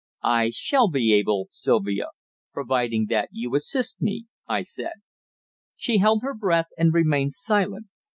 "I shall be able, Sylvia providing that you assist me," I said. She held her breath, and remained silent.